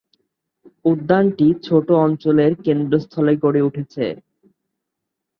উদ্যানটি ছোট্ট অঞ্চলের কেন্দ্রস্থলে গড়ে উঠেছে।